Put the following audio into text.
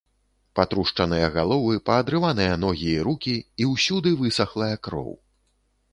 Патрушчаныя галовы, паадрываныя ногі і рукі і ўсюды высахлая кроў.